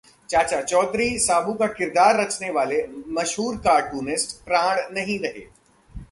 चाचा चौधरी, साबू का किरदार रचने वाले मशहूर कार्टूनिस्ट प्राण नहीं रहे